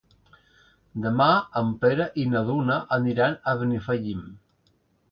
Demà en Pere i na Duna aniran a Benifallim.